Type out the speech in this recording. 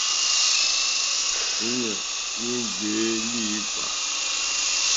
Íɲa í ŋɡbèé líǐpkà.